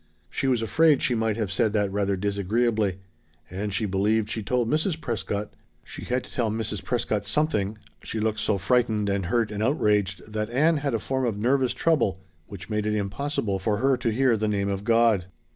She was afraid she might have said that rather disagreeably. And she believed she told Mrs. Prescott she had to tell Mrs. Prescott something, she looked so frightened and hurt and outraged that Ann had a form of nervous trouble which made it impossible for her to hear the name of God.